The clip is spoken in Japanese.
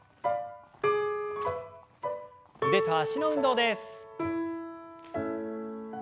腕と脚の運動です。